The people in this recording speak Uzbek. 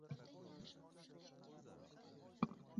Bundan tashqari, ko'pchilik chorrahalarda svetoforlar ishlamagan